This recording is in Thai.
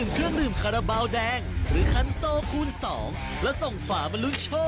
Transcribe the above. เบ้าแดง๑๐บาท